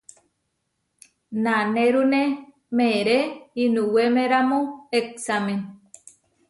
Nanérune meeré inuwémeramu eksámen.